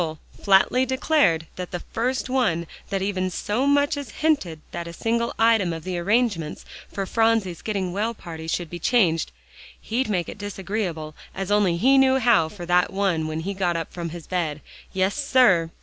But Joel flatly declared that the first one that even so much as hinted that a single item of the arrangements for Phronsie's getting well party should be changed, he'd make it disagreeable as only he knew how, for that one when he got up from his bed. "Yes, sir!"